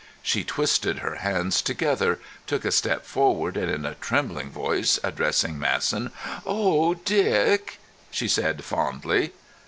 She twisted her hands together, took a step forward, and, in a trembling voice, addressing Masson: "Oh, Dick!" she said fondly.